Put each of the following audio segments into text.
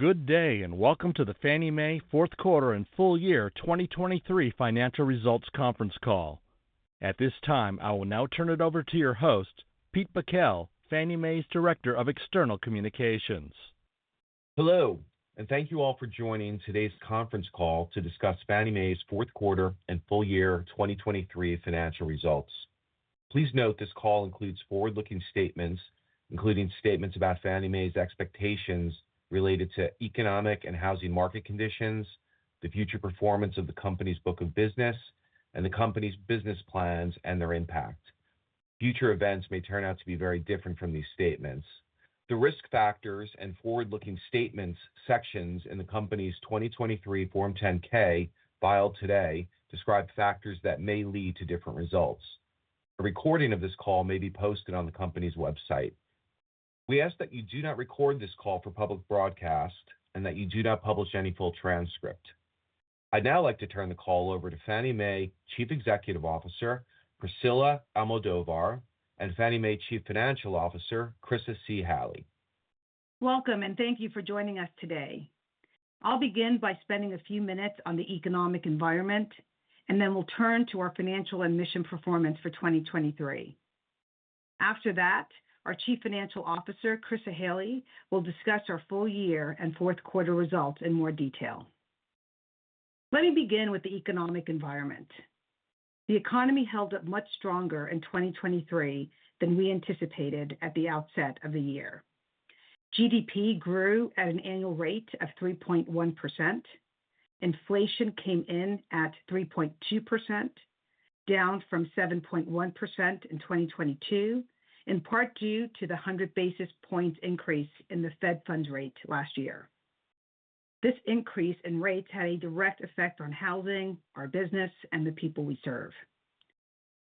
Good day and welcome to the Fannie Mae Fourth Quarter and Full Year 2023 Financial Results Conference Call. At this time, I will now turn it over to your host, Pete Bakel, Fannie Mae's Director of External Communications. Hello, and thank you all for joining today's conference call to discuss Fannie Mae's Fourth Quarter and Full Year 2023 Financial Results. Please note this call includes forward-looking statements, including statements about Fannie Mae's expectations related to economic and housing market conditions, the future performance of the company's book of business, and the company's business plans and their impact. Future events may turn out to be very different from these statements. The Risk Factors and Forward-Looking Statements sections in the company's 2023 Form 10-K filed today describe factors that may lead to different results. A recording of this call may be posted on the company's website. We ask that you do not record this call for public broadcast and that you do not publish any full transcript. I'd now like to turn the call over to Fannie Mae Chief Executive Officer Priscilla Almodovar and Fannie Mae Chief Financial Officer Chryssa Halley. Welcome, and thank you for joining us today. I'll begin by spending a few minutes on the economic environment, and then we'll turn to our financial and mission performance for 2023. After that, our Chief Financial Officer Chryssa Halley will discuss our full year and fourth quarter results in more detail. Let me begin with the economic environment. The economy held up much stronger in 2023 than we anticipated at the outset of the year. GDP grew at an annual rate of 3.1%. Inflation came in at 3.2%, down from 7.1% in 2022, in part due to the 100 basis points increase in the Fed Funds Rate last year. This increase in rates had a direct effect on housing, our business, and the people we serve.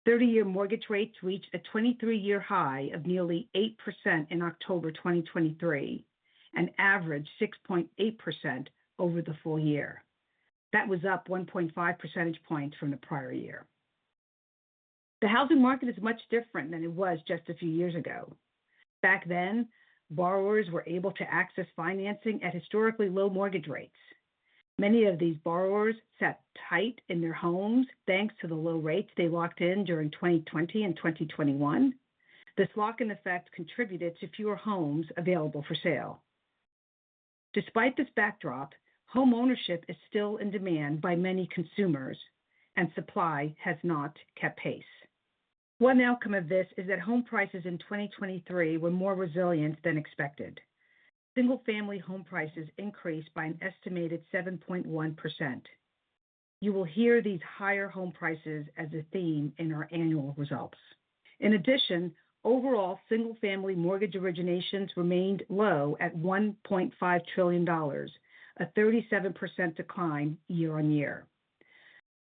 30-year mortgage rates reached a 23-year high of nearly 8% in October 2023, an average 6.8% over the full year. That was up 1.5 percentage points from the prior year. The housing market is much different than it was just a few years ago. Back then, borrowers were able to access financing at historically low mortgage rates. Many of these borrowers sat tight in their homes thanks to the low rates they locked in during 2020 and 2021. This lock-in effect contributed to fewer homes available for sale. Despite this backdrop, home ownership is still in demand by many consumers, and supply has not kept pace. One outcome of this is that home prices in 2023 were more resilient than expected. Single-family home prices increased by an estimated 7.1%. You will hear these higher home prices as a theme in our annual results. In addition, overall single-family mortgage originations remained low at $1.5 trillion, a 37% decline year-over-year.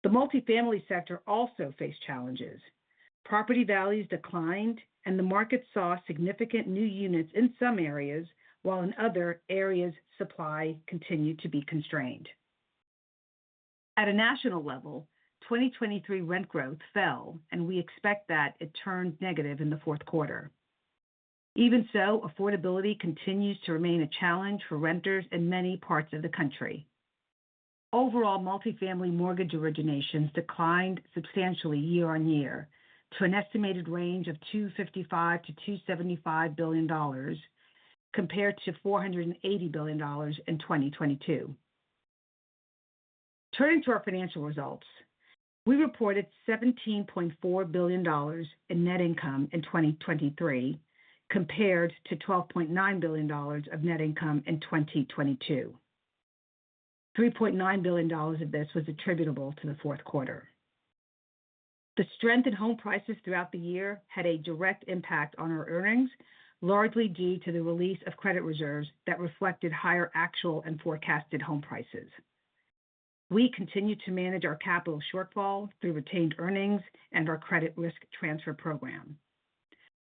The multifamily sector also faced challenges. Property values declined, and the market saw significant new units in some areas, while in other areas supply continued to be constrained. At a national level, 2023 rent growth fell, and we expect that it turned negative in the fourth quarter. Even so, affordability continues to remain a challenge for renters in many parts of the country. Overall multifamily mortgage originations declined substantially year-over-year to an estimated range of $255 billion-$275 billion, compared to $480 billion in 2022. Turning to our financial results, we reported $17.4 billion in net income in 2023, compared to $12.9 billion of net income in 2022. $3.9 billion of this was attributable to the fourth quarter. The strength in home prices throughout the year had a direct impact on our earnings, largely due to the release of credit reserves that reflected higher actual and forecasted home prices. We continue to manage our capital shortfall through retained earnings and our Credit Risk Transfer program.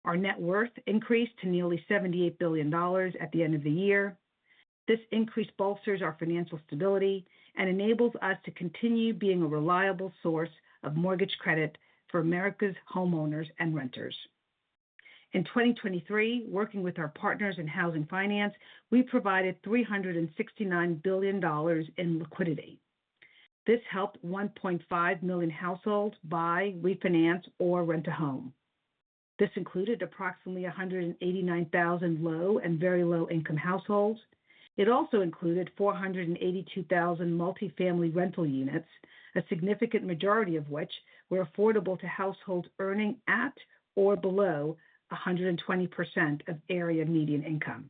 Our net worth increased to nearly $78 billion at the end of the year. This increase bolsters our financial stability and enables us to continue being a reliable source of mortgage credit for America's homeowners and renters. In 2023, working with our partners in housing finance, we provided $369 billion in liquidity. This helped 1.5 million households buy, refinance, or rent a home. This included approximately 189,000 low and very low-income households. It also included 482,000 multifamily rental units, a significant majority of which were affordable to households earning at or below 120% of Area Median Income.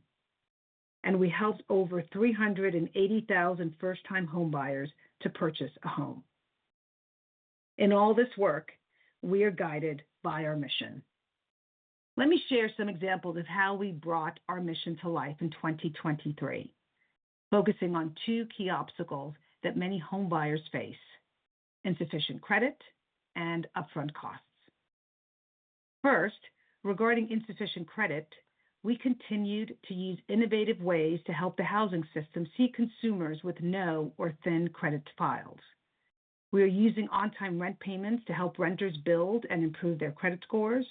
And we helped over 380,000 first-time homebuyers to purchase a home. In all this work, we are guided by our mission. Let me share some examples of how we brought our mission to life in 2023, focusing on two key obstacles that many homebuyers face: insufficient credit and upfront costs. First, regarding insufficient credit, we continued to use innovative ways to help the housing system see consumers with no or thin credit files. We are using on-time rent payments to help renters build and improve their credit scores.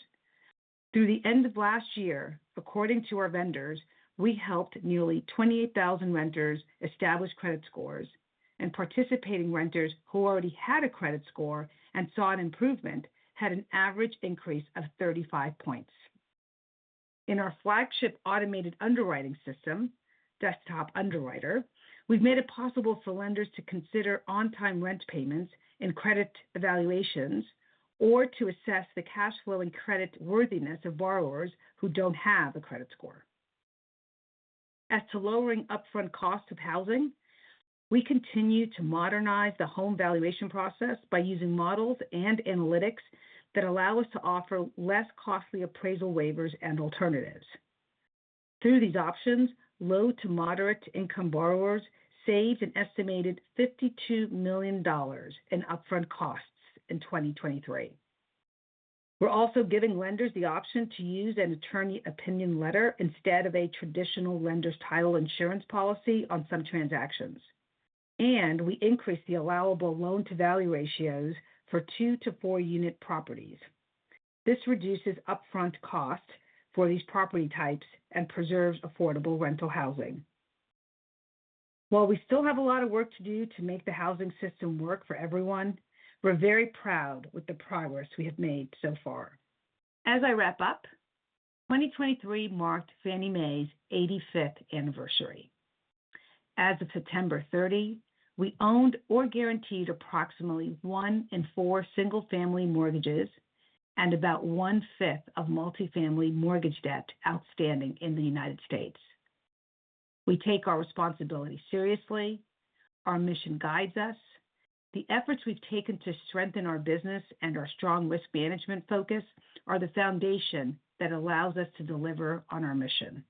Through the end of last year, according to our vendors, we helped nearly 28,000 renters establish credit scores, and participating renters who already had a credit score and saw an improvement had an average increase of 35 points. In our flagship automated underwriting system, Desktop Underwriter, we've made it possible for lenders to consider on-time rent payments in credit evaluations or to assess the cash flow and creditworthiness of borrowers who don't have a credit score. As to lowering upfront costs of housing, we continue to modernize the home valuation process by using models and analytics that allow us to offer less costly appraisal waivers and alternatives. Through these options, low- to moderate-income borrowers saved an estimated $52 million in upfront costs in 2023. We're also giving lenders the option to use an attorney opinion letter instead of a traditional lender's title insurance policy on some transactions, and we increased the allowable loan-to-value ratios for 2-4-unit properties. This reduces upfront costs for these property types and preserves affordable rental housing. While we still have a lot of work to do to make the housing system work for everyone, we're very proud with the progress we have made so far. As I wrap up, 2023 marked Fannie Mae's 85th anniversary. As of September 30, we owned or guaranteed approximately 1 in 4 single-family mortgages and about one-fifth of multifamily mortgage debt outstanding in the United States. We take our responsibility seriously. Our mission guides us. The efforts we've taken to strengthen our business and our strong risk management focus are the foundation that allows us to deliver on our mission.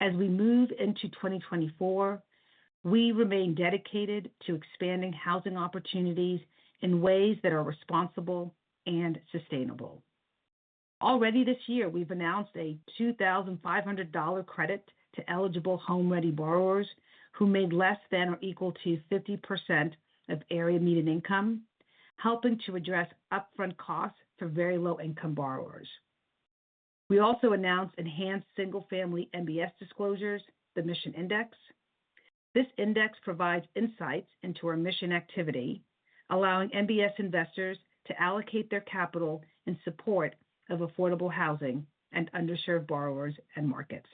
As we move into 2024, we remain dedicated to expanding housing opportunities in ways that are responsible and sustainable. Already this year, we've announced a $2,500 credit to eligible HomeReady borrowers who made less than or equal to 50% of Area Median Income, helping to address upfront costs for very low-income borrowers. We also announced enhanced single-family MBS disclosures, the Mission Index. This index provides insights into our mission activity, allowing MBS investors to allocate their capital in support of affordable housing and underserved borrowers and markets.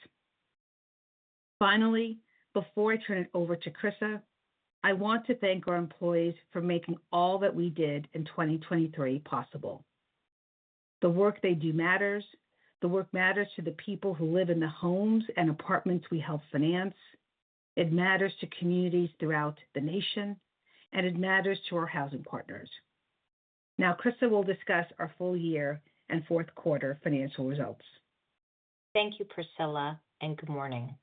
Finally, before I turn it over to Chryssa, I want to thank our employees for making all that we did in 2023 possible. The work they do matters. The work matters to the people who live in the homes and apartments we help finance. It matters to communities throughout the nation, and it matters to our housing partners. Now, Chryssa will discuss our full year and fourth quarter financial results. Thank you, Priscilla, and good morning.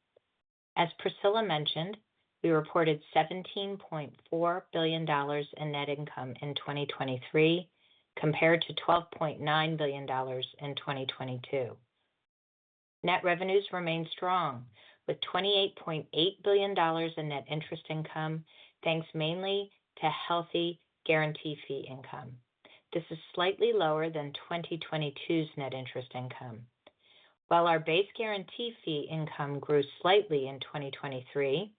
As Priscilla mentioned, we reported $17.4 billion in net income in 2023, compared to $12.9 billion in 2022. Net revenues remain strong, with $28.8 billion in net interest income thanks mainly to healthy guarantee fee income. This is slightly lower than 2022's net interest income. While our base guarantee fee income grew slightly in 2023,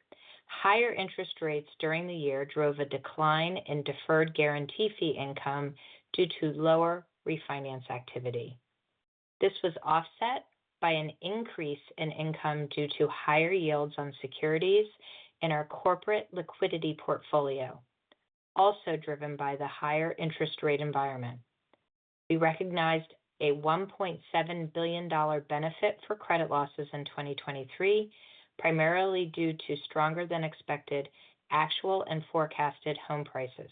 higher interest rates during the year drove a decline in deferred guarantee fee income due to lower refinance activity. This was offset by an increase in income due to higher yields on securities in our corporate liquidity portfolio, also driven by the higher interest rate environment. We recognized a $1.7 billion benefit for credit losses in 2023, primarily due to stronger-than-expected actual and forecasted home prices.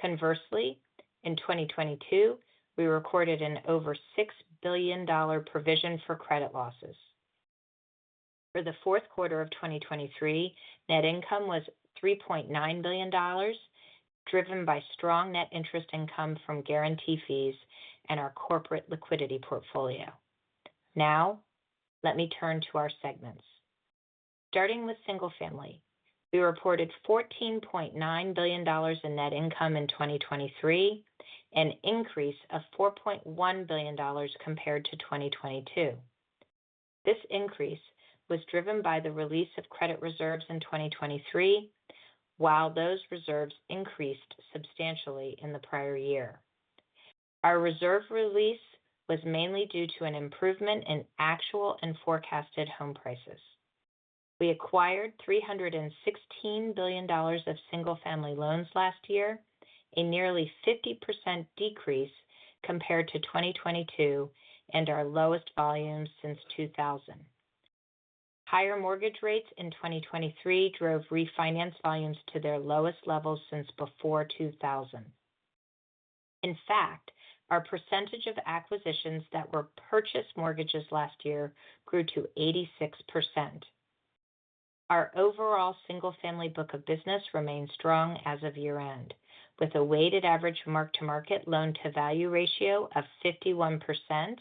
Conversely, in 2022, we recorded an over $6 billion provision for credit losses. For the fourth quarter of 2023, net income was $3.9 billion, driven by strong net interest income from guarantee fees and our corporate liquidity portfolio. Now, let me turn to our segments. Starting with single-family, we reported $14.9 billion in net income in 2023, an increase of $4.1 billion compared to 2022. This increase was driven by the release of credit reserves in 2023, while those reserves increased substantially in the prior year. Our reserve release was mainly due to an improvement in actual and forecasted home prices. We acquired $316 billion of single-family loans last year, a nearly 50% decrease compared to 2022 and our lowest volumes since 2000. Higher mortgage rates in 2023 drove refinance volumes to their lowest levels since before 2000. In fact, our percentage of acquisitions that were purchased mortgages last year grew to 86%. Our overall single-family book of business remained strong as of year-end, with a weighted average mark-to-market loan-to-value ratio of 51%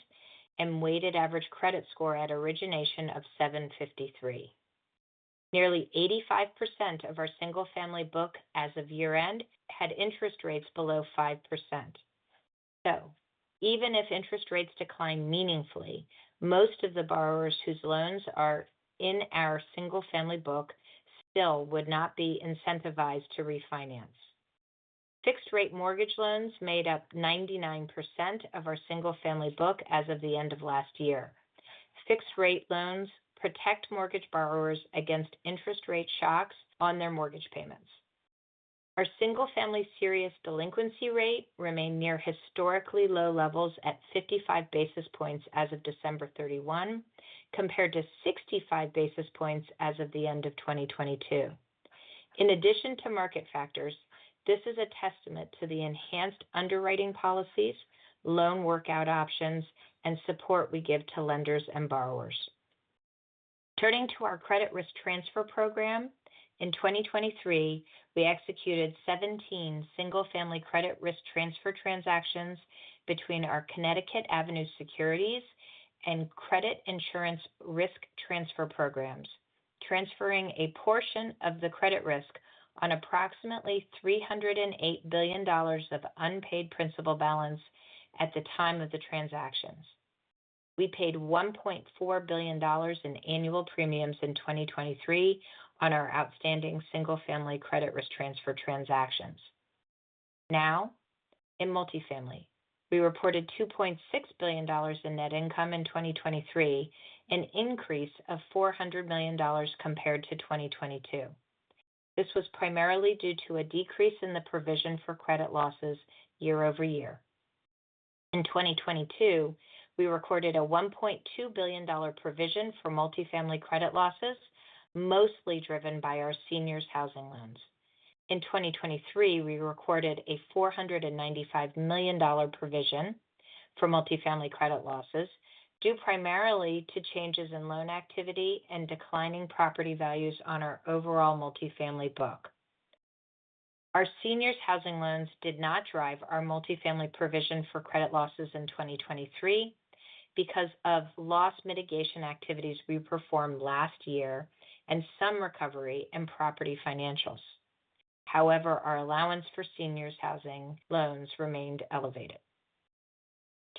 and weighted average credit score at origination of 753. Nearly 85% of our single-family book as of year-end had interest rates below 5%. So, even if interest rates decline meaningfully, most of the borrowers whose loans are in our single-family book still would not be incentivized to refinance. Fixed-rate mortgage loans made up 99% of our single-family book as of the end of last year. Fixed-rate loans protect mortgage borrowers against interest rate shocks on their mortgage payments. Our single-family serious delinquency rate remained near historically low levels at 55 basis points as of December 31, compared to 65 basis points as of the end of 2022. In addition to market factors, this is a testament to the enhanced underwriting policies, loan workout options, and support we give to lenders and borrowers. Turning to our Credit Risk Transfer program, in 2023, we executed 17 single-family Credit Risk Transfer transactions between our Connecticut Avenue Securities and Credit Insurance Risk Transfer programs, transferring a portion of the credit risk on approximately $308 billion of unpaid principal balance at the time of the transactions. We paid $1.4 billion in annual premiums in 2023 on our outstanding single-family Credit Risk Transfer transactions. Now, in multifamily, we reported $2.6 billion in net income in 2023, an increase of $400 million compared to 2022. This was primarily due to a decrease in the provision for credit losses year-over-year. In 2022, we recorded a $1.2 billion provision for multifamily credit losses, mostly driven by our seniors' housing loans. In 2023, we recorded a $495 million provision for multifamily credit losses, due primarily to changes in loan activity and declining property values on our overall multifamily book. Our seniors' housing loans did not drive our multifamily provision for credit losses in 2023 because of loss mitigation activities we performed last year and some recovery in property financials. However, our allowance for seniors' housing loans remained elevated.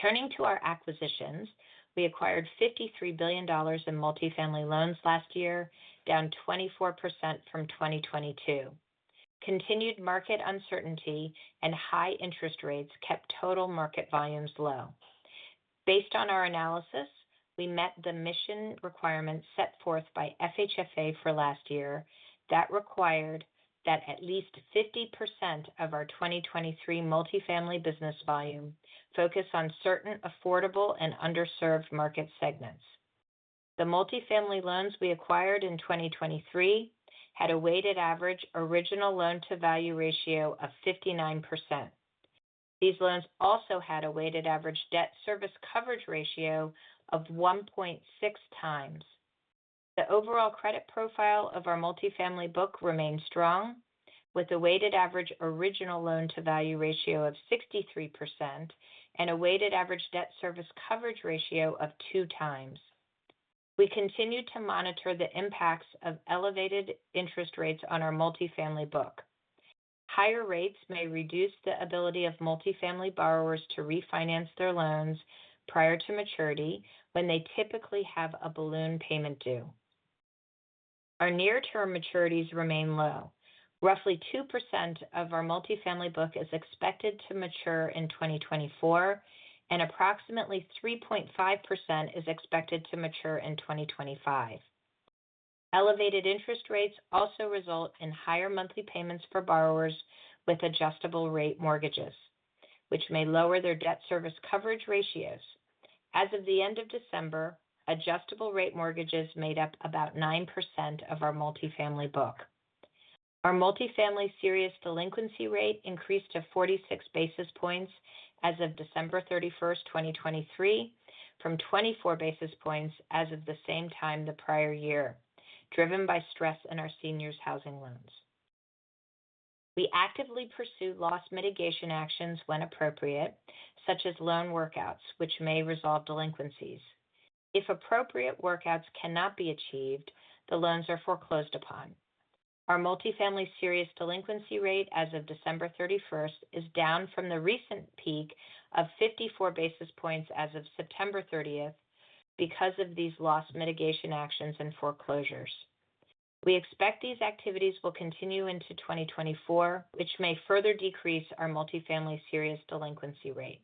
Turning to our acquisitions, we acquired $53 billion in multifamily loans last year, down 24% from 2022. Continued market uncertainty and high interest rates kept total market volumes low. Based on our analysis, we met the mission requirements set forth by FHFA for last year that required that at least 50% of our 2023 multifamily business volume focus on certain affordable and underserved market segments. The multifamily loans we acquired in 2023 had a weighted average original loan-to-value ratio of 59%. These loans also had a weighted average debt service coverage ratio of 1.6 times. The overall credit profile of our multifamily book remained strong, with a weighted average original loan-to-value ratio of 63% and a weighted average debt service coverage ratio of 2 times. We continue to monitor the impacts of elevated interest rates on our multifamily book. Higher rates may reduce the ability of multifamily borrowers to refinance their loans prior to maturity, when they typically have a balloon payment due. Our near-term maturities remain low. Roughly 2% of our multifamily book is expected to mature in 2024, and approximately 3.5% is expected to mature in 2025. Elevated interest rates also result in higher monthly payments for borrowers with adjustable-rate mortgages, which may lower their debt service coverage ratios. As of the end of December, adjustable-rate mortgages made up about 9% of our multifamily book. Our multifamily serious delinquency rate increased to 46 basis points as of December 31st, 2023, from 24 basis points as of the same time the prior year, driven by stress in our seniors' housing loans. We actively pursue loss mitigation actions when appropriate, such as loan workouts, which may resolve delinquencies. If appropriate workouts cannot be achieved, the loans are foreclosed upon. Our multifamily serious delinquency rate as of December 31st is down from the recent peak of 54 basis points as of September 30th because of these loss mitigation actions and foreclosures. We expect these activities will continue into 2024, which may further decrease our multifamily serious delinquency rate.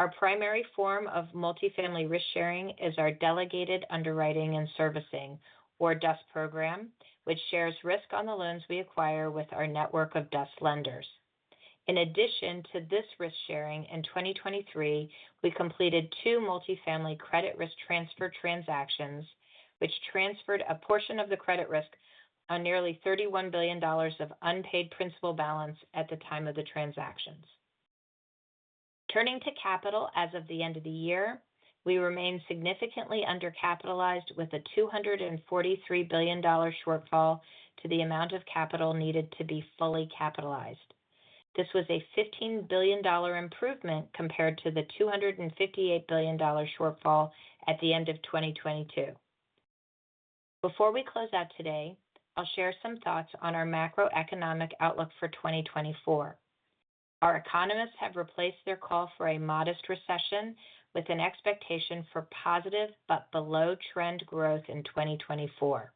Our primary form of multifamily risk sharing is our Delegated Underwriting and Servicing, or DUS, program, which shares risk on the loans we acquire with our network of DUS lenders. In addition to this risk sharing in 2023, we completed two multifamily credit risk transfer transactions, which transferred a portion of the credit risk on nearly $31 billion of unpaid principal balance at the time of the transactions. Turning to capital as of the end of the year, we remain significantly undercapitalized, with a $243 billion shortfall to the amount of capital needed to be fully capitalized. This was a $15 billion improvement compared to the $258 billion shortfall at the end of 2022. Before we close out today, I'll share some thoughts on our macroeconomic outlook for 2024. Our economists have replaced their call for a modest recession with an expectation for positive but below-trend growth in 2024.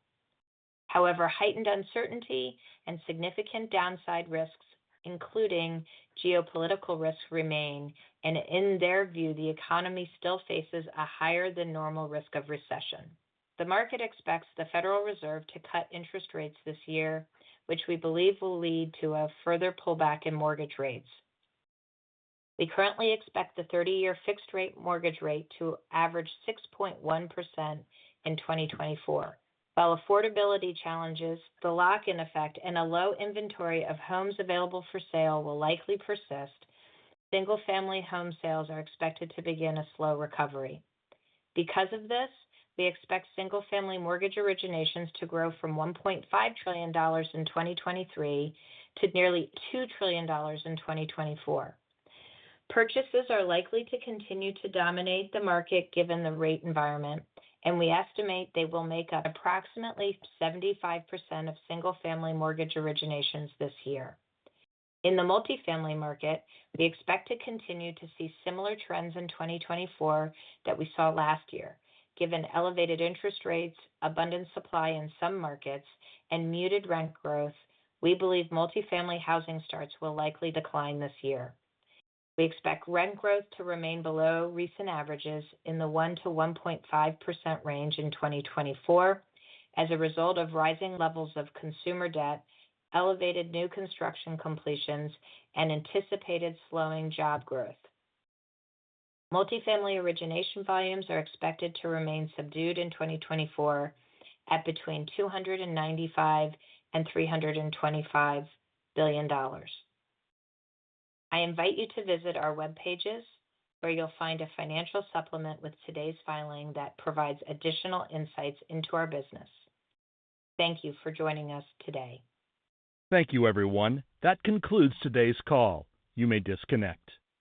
However, heightened uncertainty and significant downside risks, including geopolitical risk, remain, and in their view, the economy still faces a higher-than-normal risk of recession. The market expects the Federal Reserve to cut interest rates this year, which we believe will lead to a further pullback in mortgage rates. We currently expect the 30-year fixed-rate mortgage rate to average 6.1% in 2024, while affordability challenges, the lock-in effect, and a low inventory of homes available for sale will likely persist. Single-family home sales are expected to begin a slow recovery. Because of this, we expect single-family mortgage originations to grow from $1.5 trillion in 2023 to nearly $2 trillion in 2024. Purchases are likely to continue to dominate the market given the rate environment, and we estimate they will make up approximately 75% of single-family mortgage originations this year. In the multifamily market, we expect to continue to see similar trends in 2024 that we saw last year. Given elevated interest rates, abundant supply in some markets, and muted rent growth, we believe multifamily housing starts will likely decline this year. We expect rent growth to remain below recent averages in the 1%-1.5% range in 2024 as a result of rising levels of consumer debt, elevated new construction completions, and anticipated slowing job growth. Multifamily origination volumes are expected to remain subdued in 2024 at between $295 billion and $325 billion. I invite you to visit our web pages, where you'll find a financial supplement with today's filing that provides additional insights into our business. Thank you for joining us today. Thank you, everyone. That concludes today's call. You may disconnect.